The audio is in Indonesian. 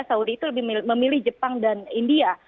saudi itu lebih memilih jepang dan india